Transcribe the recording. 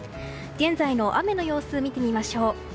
現在の雨の様子を見てみましょう。